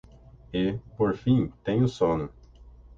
E, por fim, tenho sono